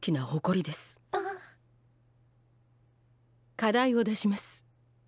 課題を出します。